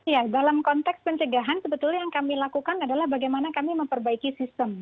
ya dalam konteks pencegahan sebetulnya yang kami lakukan adalah bagaimana kami memperbaiki sistem